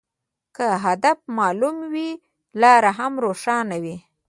که هدف معلوم وي، لار هم روښانه وي.